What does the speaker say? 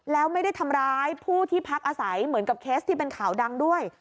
แล้วไม่ได้ทำร้ายผู้ที่พักอาศัยเหมือนกับเคสที่เป็นข่าวดังด้วย